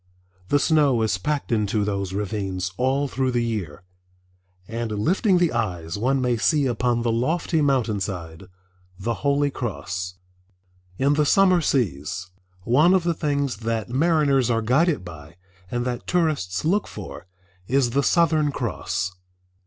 The snow is packed into those ravines all through the year, and lifting the eyes one may see upon the lofty mountain side the Holy Cross. In the summer seas, one of the things that mariners are guided by and that tourists look for, is the Southern Cross.